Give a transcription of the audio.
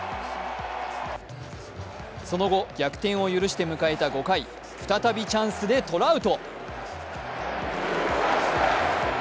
その後、逆転を許して迎えた５回、再びチャンスでトラウト。